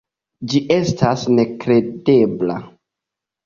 Ĝi estas nekredebla.